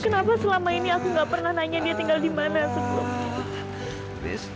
kenapa selama ini aku gak pernah nanya dia tinggal dimana sebelum ini